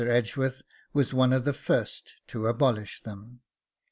Edgeworth was one of the first to abolish them.